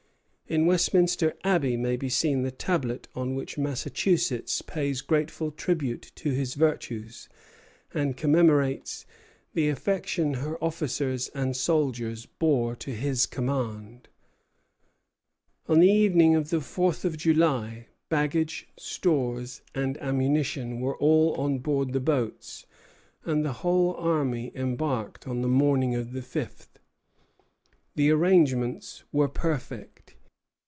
In Westminster Abbey may be seen the tablet on which Massachusetts pays grateful tribute to his virtues, and commemorates "the affection her officers and soldiers bore to his command." Mrs. Grant, Memoirs of an American Lady, 226 (ed. 1876). On the evening of the fourth of July, baggage, stores, and ammunition were all on board the boats, and the whole army embarked on the morning of the fifth. The arrangements were perfect.